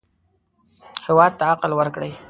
هېواد ته عقل ورکړئ